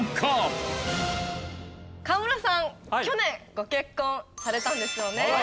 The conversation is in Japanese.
去年ご結婚されたんですよね。